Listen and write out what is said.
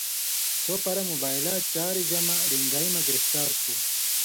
سو پرہ موبائلہ چارجہ مہ رِن٘گَیں مہ گِرِفتار تُھو